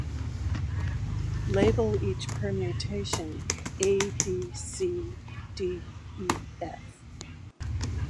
Label each permutation "A B C D E F".